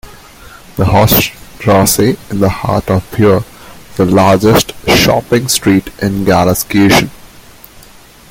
The Hochstrasse in the heart of Buer is the largest shopping street in Gelsenkirchen.